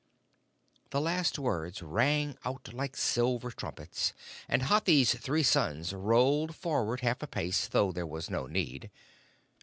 The last words rang out like silver trumpets, and Hathi's three sons rolled forward half a pace, though there was no need.